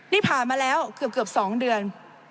นี่ผ่านมาแล้วเกือบ๒เดือน